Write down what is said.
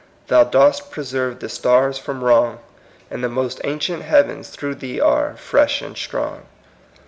Thou dost preserve the stars from wrong ; And the most ancient heavens through Thee are fresh and strong."